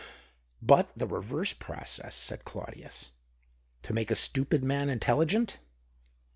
" But the reverse process," said Claudius, " to make a stupid man intelligent."